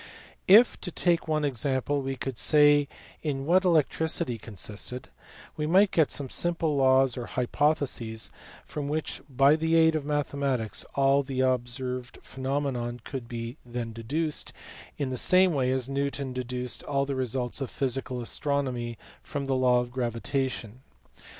If, to take one example, we could say in what electricity consisted, we might get some simple laws or hypotheses from which by the aid of mathe matics all the observed phenomena could be deduced, in the same way as Newton deduced all the results of physical astro nomy from the law of gravitation.